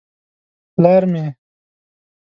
_ پلار مې.